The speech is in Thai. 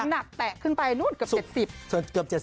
หนักแตะขึ้นไปนู่นเกือบ๗๐